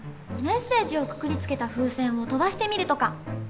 メッセージをくくりつけた風船を飛ばしてみるとか。